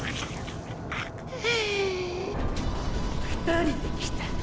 ２人で来た。